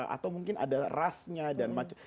atau mungkin ada rasnya dan macam macam